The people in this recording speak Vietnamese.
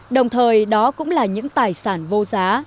đồng thời đó cũng là những tài sản vô giá